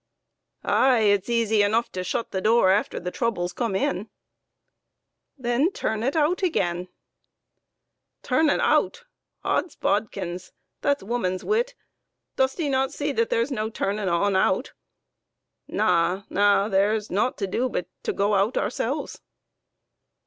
" Ay ; it's easy enough to shut the door after the trouble's come in !"" Then turn it out again !" "Turn un out! Odds bodkins, that's woman's wit ! Dost 'ee not see that there's no turnin' o' un out ? Na, na ; there's naught to do but to go out ourselves